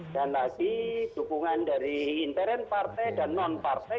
dan lagi dukungan dari intern partai dan non partai